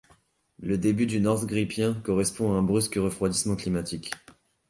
Le début du Northgrippien correspond à un brusque refroidissement climatique.